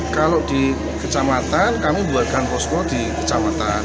kalau di kecamatan kami membuatkan posko di kecamatan